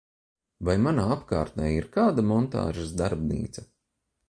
Vai manā apkārtnē ir kāda montāžas darbnīca?